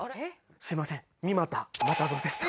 すいません三又又三でした。